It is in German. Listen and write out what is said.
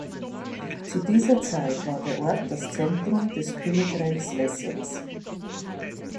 Zu dieser Zeit war der Ort das Zentrum des Königreichs Wessex.